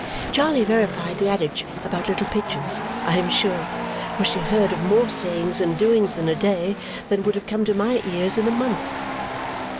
Charley verified the adage about little pitchers, I am sure, for she heard of more sayings and doings in a day than would have come to my ears in a month.